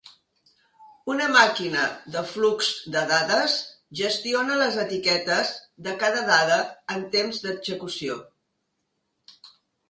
Una màquina de flux de dades gestiona les etiquetes de cada dada en temps d'execució.